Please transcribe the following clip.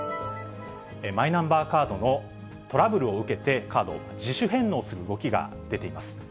マイナンバーカードのトラブルを受けて、カードを自主返納する動きが出ています。